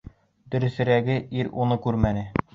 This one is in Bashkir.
Дөрөҫөрәге, ир уны күрмәне.